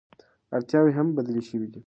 اړتیاوې هم بدلې شوې دي.